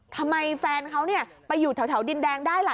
แฟนเขาไปอยู่แถวดินแดงได้ล่ะ